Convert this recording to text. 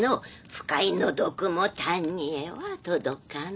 腐海の毒も谷へは届かぬ。